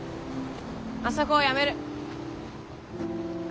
あそこをやめる。